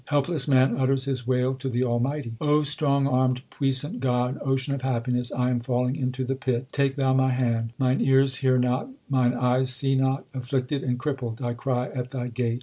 Helpless man utters his wail to the Almighty : strong armed puissant God, ocean of happiness, I am falling into the pit ; take Thou my hand. Mine ears hear not ; mine eyes see not ; afflicted and crippled I cry at Thy gate.